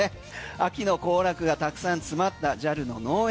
秋の行楽がたくさん詰まったＪＡＬの農園。